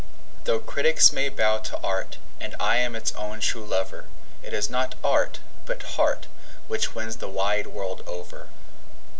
Though critics may bow to art, and I am its own true lover, It is not art, but heart, which wins the wide world over.